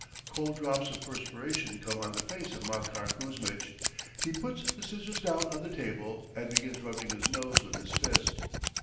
Cold drops of perspiration come on the face of Makar Kuzmitch. He puts the scissors down on the table and begins rubbing his nose with his fist.